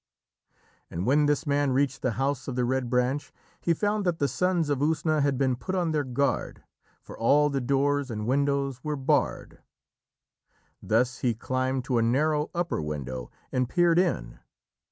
And when this man reached the house of the Red Branch, he found that the Sons of Usna had been put on their guard, for all the doors and windows were barred. Thus he climbed to a narrow upper window and peered in.